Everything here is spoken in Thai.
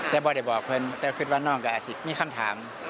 แต่โบรแดบออกให้เผิ้ลแต่ขึ้นว่าน้องมีคำถาม